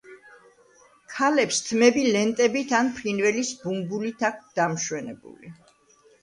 ქალებს თმები ლენტებით ან ფრინველის ბუმბულით აქვთ დამშვენებული.